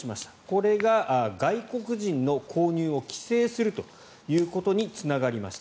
これが外国人の購入を規制するということにつながりました。